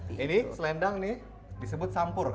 ini selendang nih disebut campur